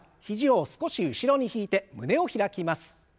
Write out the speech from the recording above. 肘を少し後ろに引いて胸を開きます。